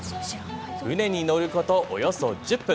船に乗ること、およそ１０分。